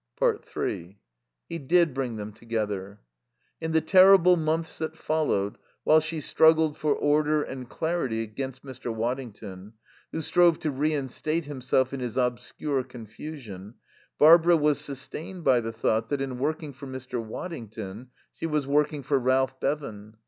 3 He did bring them together. In the terrible months that followed, while she struggled for order and clarity against Mr. Waddington, who strove to reinstate himself in his obscure confusion, Barbara was sustained by the thought that in working for Mr. Waddington she was working for Ralph Bevan.